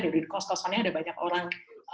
dari kos kosannya ada banyak orang